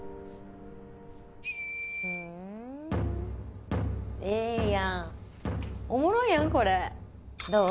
ふんええやんおもろいやんこれどう？